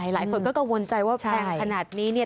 หลายคนก็กังวลใจว่าแพงขนาดนี้เนี่ย